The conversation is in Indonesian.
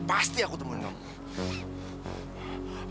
pasti aku temuin kamu